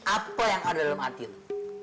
apa yang ada dalam hati lo